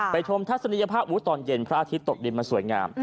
ชมทัศนียภาพวุธตอนเย็นพระอาทิตย์ตกดินมาสวยงาม